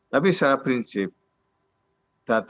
tapi secara prinsip data